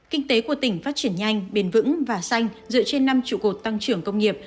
kinh tế của tỉnh phát triển nhanh bền vững và xanh dựa trên năm trụ cột tăng trưởng công nghiệp